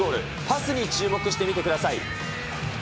パスに注目して見てください。